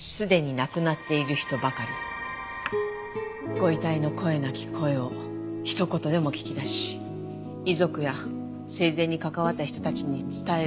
ご遺体の声なき声をひと言でも聞き出し遺族や生前に関わった人たちに伝える。